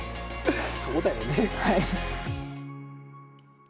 そうだよね。